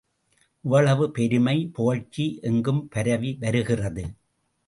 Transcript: இவ்வளவு பெருமை, புகழ்ச்சி எங்கும் பரவி வருகிறது.